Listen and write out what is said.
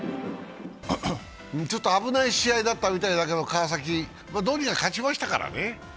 ちょっと危ない試合だったみたいだけど、川崎、どうにか勝ちましたからね。